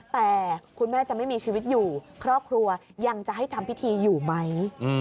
แต่คุณแม่จะไม่มีชีวิตอยู่ครอบครัวยังจะให้ทำพิธีอยู่ไหม